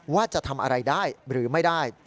ว่าจะทำอะไรได้หรือไม่ได้